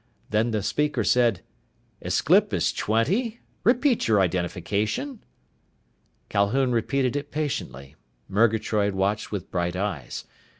Then the speaker said, "Aesclipus Twenty, repeat your identification!" Calhoun repeated it patiently. Murgatroyd watched with bright eyes.